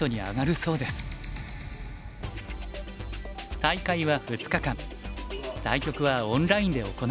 大会は２日間対局はオンラインで行われます。